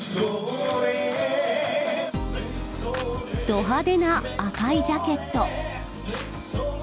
ド派手な赤いジャケット。